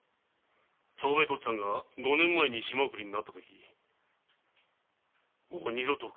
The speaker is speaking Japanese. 長兵衛とっつぁんが五年前に島送りになったときもう二度と帰らぬ覚悟だった。